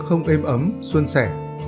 không êm ấm xuân sẻ